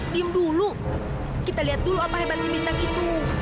tim dulu kita lihat dulu apa hebatnya bintang itu